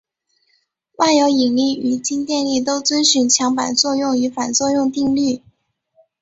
万有引力与静电力都遵守强版作用与反作用定律。